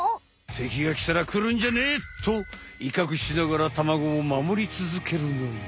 てきがきたら「くるんじゃねえ！」といかくしながらタマゴをまもりつづけるのよ。